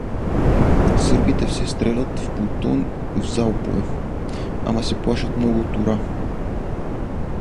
Сърбите все стрелят в плутон и в залпове, ама се плашат много от «ура».